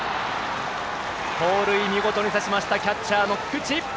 盗塁、見事に刺しましたキャッチャーの菊池。